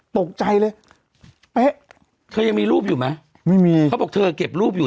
ตกใจเลยเป๊ะเธอยังมีรูปอยู่ไหมไม่มีเขาบอกเธอเก็บรูปอยู่